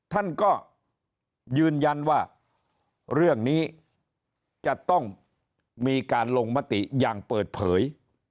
ท่านก็ยืนยันว่าเรื่องนี้จะต้องมีการลงมติอย่างเปิดเผย